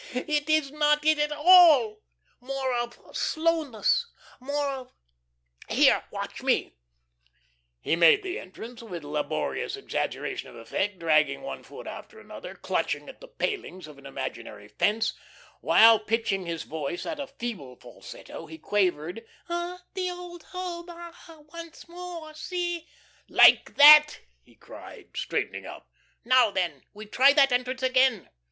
No, no. It is not it at all. More of slowness, more of Here, watch me." He made the entrance with laborious exaggeration of effect, dragging one foot after another, clutching at the palings of an imaginary fence, while pitching his voice at a feeble falsetto, he quavered: "'Ah! The old home ah ... once more. See ' like that," he cried, straightening up. "Now then. We try that entrance again.